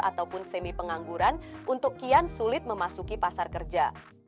ataupun semi pengangguran untuk kian sulit memasuki pasar kerja